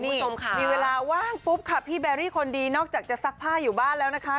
มีเวลาว่างพิ้งแบรรี่คนดีนอกจากจะซักผ้าอยู่บ้านแล้วนะคะ